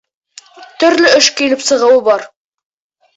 Төрлө эш килеп сығыуы бар.